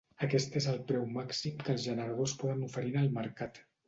Aquest és el preu màxim que els generadors poden oferir en el mercat.